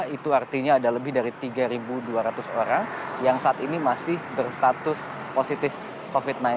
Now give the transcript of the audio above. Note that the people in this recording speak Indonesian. itu artinya ada lebih dari tiga dua ratus orang yang saat ini masih berstatus positif covid sembilan belas